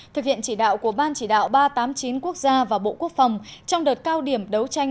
thực hiện chỉ đạo của ban chỉ đạo ba trăm tám mươi chín quốc gia và bộ quốc phòng trong đợt cao điểm đấu tranh